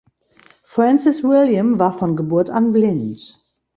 Francis William war von Geburt an blind.